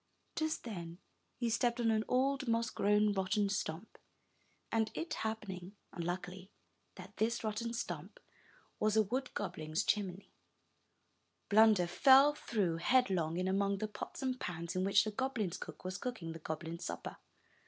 Just then he stepped on an old, moss grown, rotten stump; and it happening, unluckily, that this rotten 318 UP ONE PAIR OF STAIRS stump was a wood goblin*s chimney, Blunder fell through, headlong, in among the pots and pans in which the goblin's cook was cooking the goblin's supper.